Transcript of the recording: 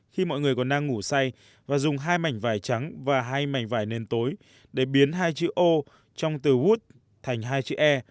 khi mọi người còn đang ngủ say và dùng hai mảnh vải trắng và hai mảnh vải nền tối để biến hai chữ ô trong từ hút thành hai chữ e